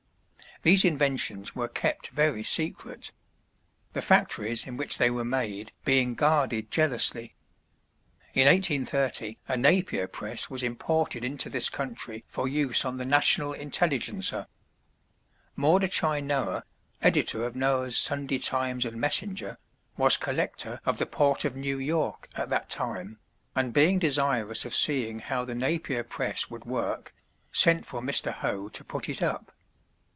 These inventions were kept very secret; the factories in which they were made being guarded jealously. In 1830 a Napier press was imported into this country for use on the National Intelligencer. Mordecai Noah, editor of Noah's Sunday Times and Messenger, was collector of the port of New York at that time, and being desirous of seeing how the Napier press would work, sent for Mr. Hoe to put it up.